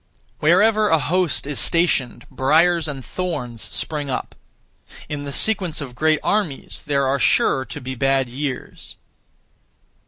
Wherever a host is stationed, briars and thorns spring up. In the sequence of great armies there are sure to be bad years.